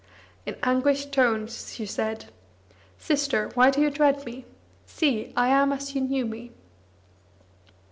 In anguished tones she said: "Sister, why do you dread me? See, I am as you knew me."